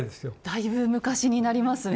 だいぶ昔になりますね。